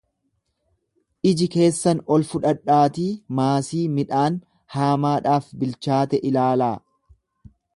Iji keessan ol fudhadhaatii maasii midhaan haamaadhaaf bilchaate ilaalaa.